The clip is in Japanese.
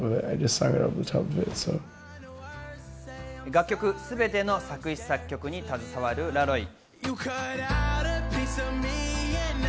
楽曲すべての作詞・作曲に携わるラロイ。